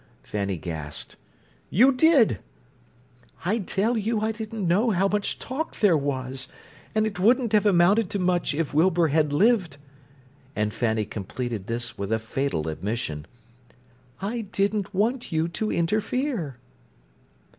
Fanny gasped. "You did!" "I tell you I didn't know how much talk there was, and it wouldn't have amounted to much if Wilbur had lived." And Fanny completed this with a fatal admission: "I didn't want you to interfere."